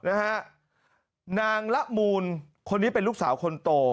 นางละมูลคนนี้เป็นลูกสาวคนโต